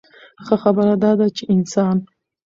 ښۀ خبره دا ده چې انسان